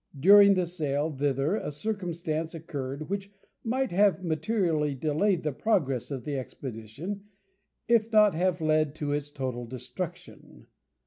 During the sail thither a circumstance occurred which might have materially delayed the progress of the expedition, if not have led to its total destruction.